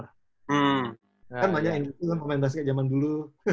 kan banyak yang ingin main basket zaman dulu